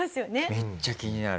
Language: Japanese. めっちゃ気になる。